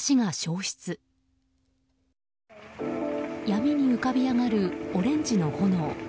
闇に浮かび上がるオレンジの炎。